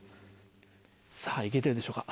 さぁいけてるでしょうか。